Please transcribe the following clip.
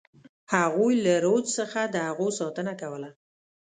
هغوی له رودز څخه د هغو ساتنه کوله.